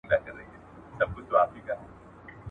• د توري ټپ به جوړسي، د ژبي ټپ نه جوړېږي.